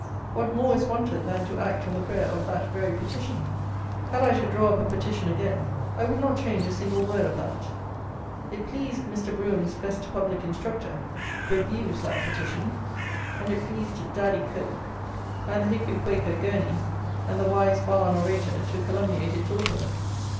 What more is wanted than to act on the prayer of that very petition? Had I to draw up a petition again, I would not change a single word of that. It pleased Mr. Brougham's "best public instructor" to abuse that petition, and it pleased Daddy Coke and the Hickory Quaker, Gurney, and the wise barn orator, to calumniate its author.